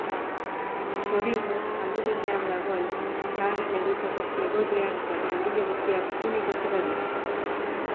Zorionez, aldamenean dagoen zaharren egoitzako egoiliar eta langile guztiak onik atera dira.